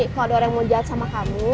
kalau ada orang yang mau jahat sama kamu